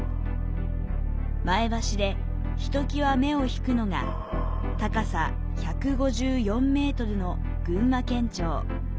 前橋でひときわ目を引くのが、高さ１５４ｍの群馬県庁。